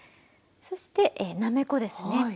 そしてなめこですね。